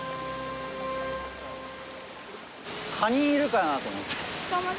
カニいるかなと思って。